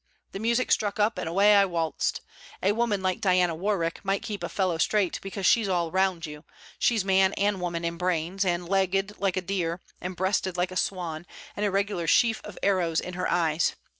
The music struck up and away I waltzed. A woman like Diana Warwick might keep a fellow straight, because she's all round you; she's man and woman in brains; and legged like a deer, and breasted like a swan, and a regular sheaf of arrows in her eyes.